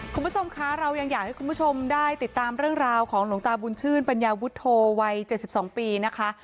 คุณผู้ชมคะเรายังอยากให้คุณผู้ชมได้ติดตามเรื่องราวของหลวงตาบุญชื่นปัญญาวุฒโธวัย๗๒ปีนะคะ